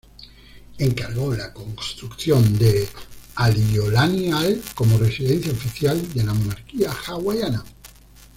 Encargó la construcción de Aliʻiōlani Hale como residencia oficial de la monarquía hawaiana.